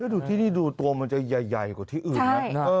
ดูที่นี่ดูตัวมันจะใหญ่กว่าที่อื่นนะ